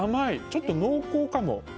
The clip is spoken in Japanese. ちょっと濃厚かも。